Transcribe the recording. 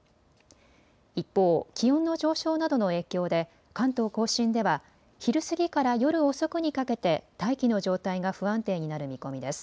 一方、気温の上昇などの影響で関東甲信では昼過ぎから夜遅くにかけて大気の状態が不安定になる見込みです。